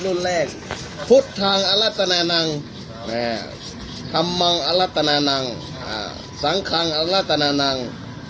รุ่นแรกพุทธทางอรัตนานังธรรมมังอรัตนานังสังคังอรัตนานัง